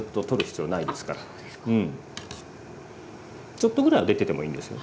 ちょっとぐらいは出ててもいいんですよ。